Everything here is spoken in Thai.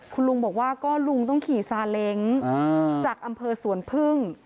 คุณลุงบอกว่าก็ลุงต้องขี่ซาเล้งจากอำเภอสวนพึ่ง